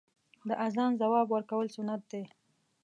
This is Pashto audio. د اذان ځواب ورکول سنت دی .